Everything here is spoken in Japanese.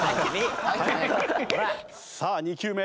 さあ２球目。